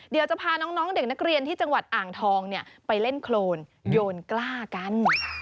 เดี๋ยวจะพาน้องเด็กนักเรียนที่จังหวัดอ่างทองไปเล่นโครนโยนกล้ากัน